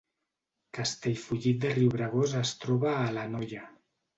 Castellfollit de Riubregós es troba a l’Anoia